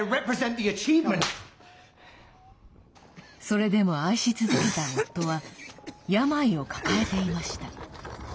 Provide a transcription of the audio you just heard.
それでも愛し続けた夫は病を抱えていました。